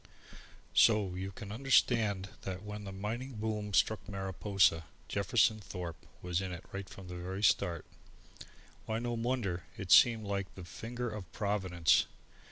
So you can understand that when the mining boom struck Mariposa, Jefferson Thorpe was in it right from the very start. Why, no wonder; it seemed like the finger of Providence.